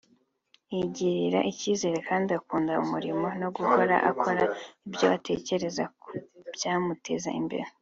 yigirira icyizere kandi akunda umurimo no guhora akora ibyo atekereza ko byamuteza imbere